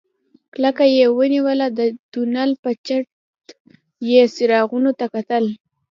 کلکه يې ونيوله د تونل په چت کې څراغونو ته کتل.